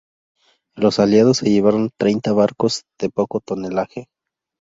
Los Aliados se llevaron treinta barcos de poco tonelaje.